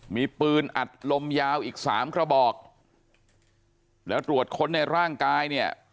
มีปืนอัดลมยาวอีกสามกระบอกแล้วตรวจค้นในร่างกายเนี่ย